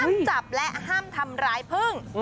จับและห้ามทำร้ายพึ่ง